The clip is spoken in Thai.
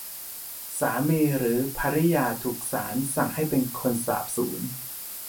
สามีหรือภริยาถูกศาลสั่งให้เป็นคนสาบสูญ